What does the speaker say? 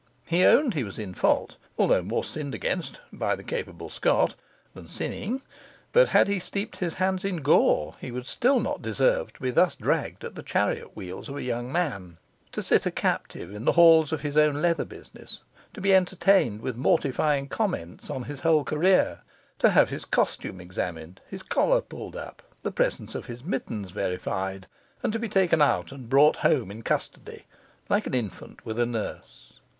He owned he was in fault, although more sinned against (by the capable Scot) than sinning; but had he steeped his hands in gore, he would still not deserve to be thus dragged at the chariot wheels of a young man, to sit a captive in the halls of his own leather business, to be entertained with mortifying comments on his whole career to have his costume examined, his collar pulled up, the presence of his mittens verified, and to be taken out and brought home in custody, like an infant with a nurse.